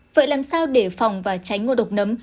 vậy làm sao để phòng và tránh ngô độc nấm